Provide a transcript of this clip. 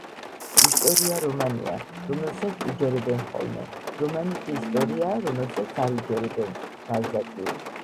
ისტორია რომანია, რომელსაც უჯერებენ ხოლმე, რომანი კი ისტორიაა, რომელსაც არ უჯერებენ.” – ბალზაკი